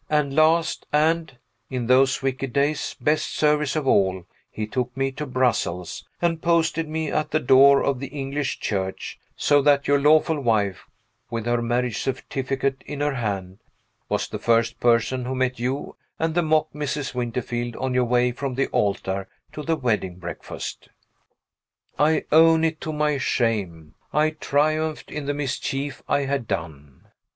And last, and (in those wicked days) best service of all he took me to Brussels and posted me at the door of the English church, so that your lawful wife (with her marriage certificate in her hand) was the first person who met you and the mock Mrs. Winterfield on your way from the altar to the wedding breakfast. I own it, to my shame. I triumphed in the mischief I had done.